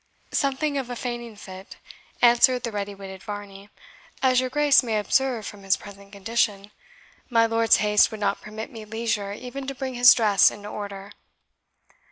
"Something of a fainting fit," answered the ready witted Varney, "as your Grace may observe from his present condition. My lord's haste would not permit me leisure even to bring his dress into order."